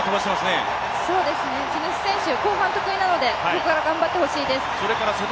地主選手、後半得意なのでここから頑張ってほしいです。